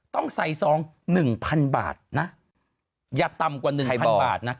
ต้องใส่ซอง๑๐๐๐บาทนะอย่าต่ำกว่า๑๐๐บาทนะ